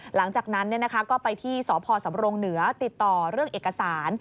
หลังจากนั้นก็ไปที่สพสำรงเหนือติดต่อเรื่องเอกสาร